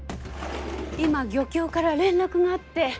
今漁協から連絡があって。